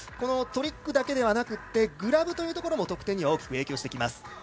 トリックだけではなくてグラブというところも得点には大きく影響します。